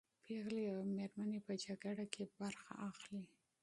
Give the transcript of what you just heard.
پېغلې او مېرمنې په جګړه کې برخه اخلي.